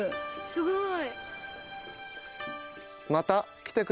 すごい。